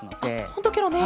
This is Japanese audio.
ほんとケロね。